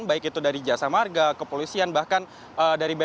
baik itu dari jasa marga kepolisian bahkan dari bnp